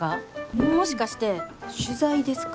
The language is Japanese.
もしかして取材ですか？